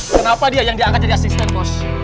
kenapa dia yang diangkat jadi asisten post